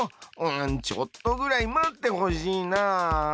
ちょっとぐらい待ってほしいな。